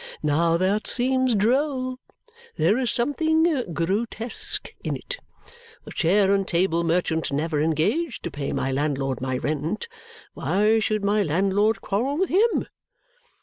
Now, that seems droll! There is something grotesque in it. The chair and table merchant never engaged to pay my landlord my rent. Why should my landlord quarrel with HIM?